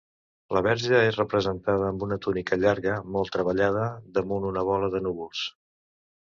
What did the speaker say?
La verge és representada amb una túnica llarga molt treballada, damunt una bola de núvols.